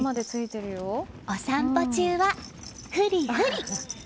お散歩中は、ふりふり！